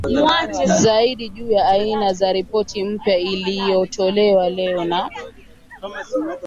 zaidi juu ya aina za Ripoti mpya iliyotolewa leo na